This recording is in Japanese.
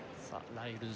ライルズ